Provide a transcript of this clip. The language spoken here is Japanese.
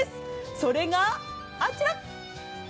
それが、あちら。